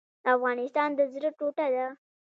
افغانستان د زړه ټوټه ده